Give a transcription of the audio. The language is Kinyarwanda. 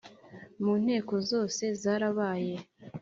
mu nteko zose zarabaye